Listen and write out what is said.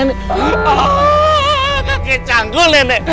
aduh kakek canggul nenek